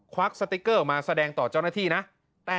สติ๊กเกอร์ออกมาแสดงต่อเจ้าหน้าที่นะ